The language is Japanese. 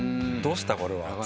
「どうしたこれは？」